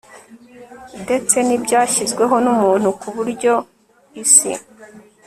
detse nibyashyizweho numuntu ku buryo isi